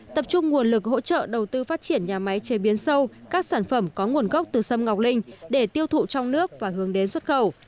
tập trung nguồn lực hỗ trợ đầu tư phát triển nhà máy chế biến sâu các sản phẩm có nguồn gốc từ sâm ngọc linh để tiêu thụ trong nước và hướng đến xuất khẩu